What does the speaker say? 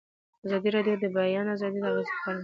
ازادي راډیو د د بیان آزادي د اغیزو په اړه مقالو لیکلي.